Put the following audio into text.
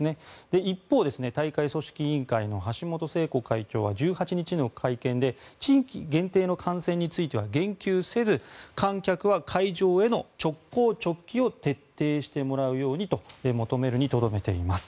一方、大会組織委員会の橋本聖子会長は１８日の会見で地域限定の観戦については言及せず観客は会場への直行直帰を徹底してもらうように求めると述べるにとどめています。